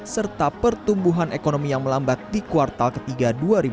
serta pertumbuhan ekonomi yang melambat di kuartal ketiga dua ribu dua puluh